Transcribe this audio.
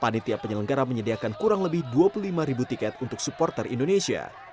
panitia penyelenggara menyediakan kurang lebih dua puluh lima ribu tiket untuk supporter indonesia